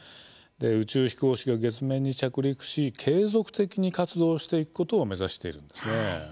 宇宙飛行士が月面に着陸し継続的に活動していくことを目指しているんですね。